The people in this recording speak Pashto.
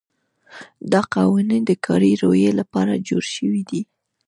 دا قوانین د کاري رویې لپاره جوړ شوي دي.